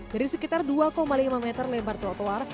dari sekitar dua lima meter lebar trotoar